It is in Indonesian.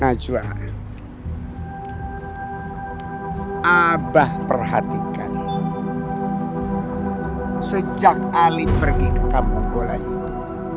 najwa abah perhatikan sejak alik pergi ke kampung gola itu